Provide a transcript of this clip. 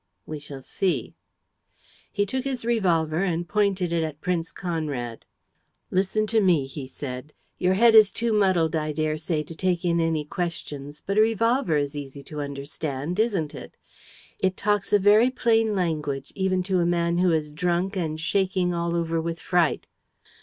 "We shall see." He took his revolver and pointed it at Prince Conrad: "Listen to me," he said. "Your head is too muddled, I dare say, to take in any questions. But a revolver is easy to understand, isn't it? It talks a very plain language, even to a man who is drunk and shaking all over with fright.